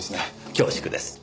恐縮です。